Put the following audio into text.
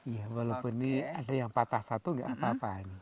iya walaupun ini ada yang patah satu enggak apa apa ini